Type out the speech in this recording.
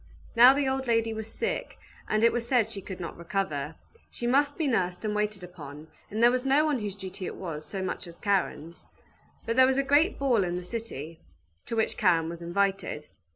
Now the old lady was sick, and it was said she could not recover. She must be nursed and waited upon, and there was no one whose duty it was so much as Karen's. But there was a great ball in the city, to which Karen was invited.